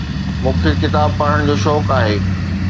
مون کي ڪتاب پڙھن جو شوق آھي.